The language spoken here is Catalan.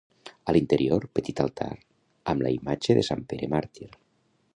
A l'interior, petit altar amb la imatge de Sant Pere màrtir.